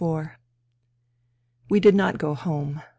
IV We did not go home.